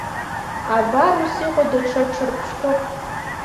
Абар ус иҟоу даҽа ҿырԥштәык…